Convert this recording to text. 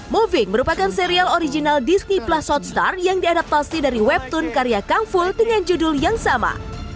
moving merupakan serial original disney plus hotstar yang diadaptasi dari webtoon karya kang full dengan judul yang sama